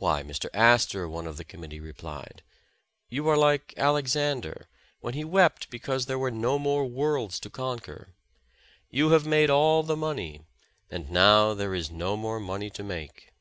''Why, Mr. Astor," one of the committee replied, "you are like Alexander, when he wept because there were no more worlds to conquer. You have made all the money, and now there is no more money to make."